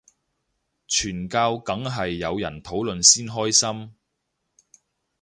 傳教梗係有人討論先開心